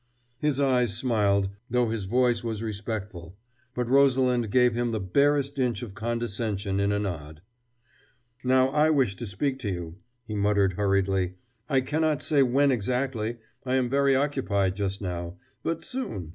His eyes smiled, though his voice was respectful, but Rosalind gave him the barest inch of condescension in a nod. "Now, I wish to speak to you," he muttered hurriedly. "I cannot say when exactly I am very occupied just now but soon....